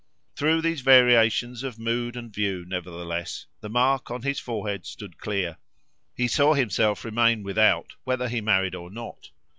Through these variations of mood and view, nevertheless, the mark on his forehead stood clear; he saw himself remain without whether he married or not.